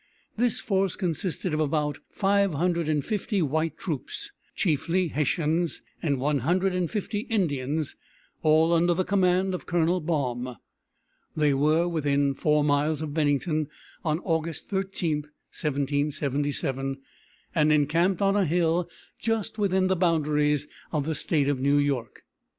This force consisted of about five hundred and fifty white troops, chiefly Hessians, and one hundred and fifty Indians, all under the command of Colonel Baum. They were within four miles of Bennington on August 13, 1777, and encamped on a hill just within the boundaries of the State of New York.